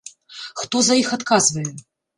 Хто за іх адказвае?